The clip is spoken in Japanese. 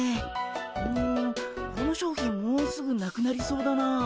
うんこの商品もうすぐなくなりそうだなあ。